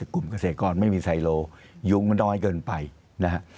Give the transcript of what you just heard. กลุ่มเกษตรกรไม่มีไซโลยุงมันน้อยเกินไปนะฮะ